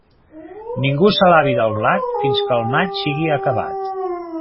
Ningú s'alabi del blat, fins que el maig sigui acabat.